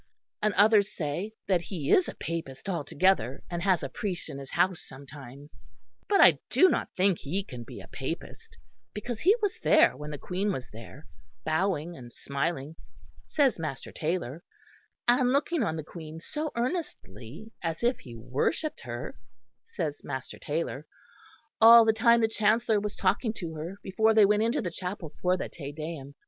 And others say that he is a Papist altogether, and has a priest in his house sometimes. But I do not think he can be a Papist, because he was there when the Queen was there, bowing and smiling, says Master Taylor; and looking on the Queen so earnestly, as if he worshipped her, says Master Taylor, all the time the Chancellor was talking to her before they went into the chapel for the Te Deum.